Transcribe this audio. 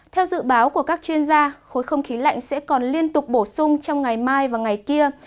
theo dự báo của các chuyên gia khối không khí lạnh sẽ còn liên tục bổ sung trong ngày mai và ngày kia